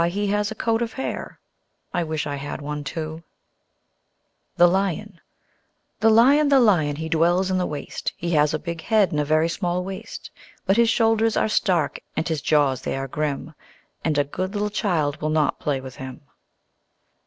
He has a coat of hair. I wish I had one too! The Lion The Lion, the Lion, he dwells in the waste, He has a big head and a very small waist; But his shoulders are stark, and his jaws they are grim, And a good little child will not play with him.